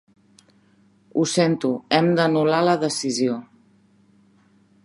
Ho sento, hem d'anul·lar la decisió.